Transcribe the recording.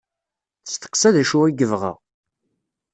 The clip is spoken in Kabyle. Testeqsa d acu i yebɣa.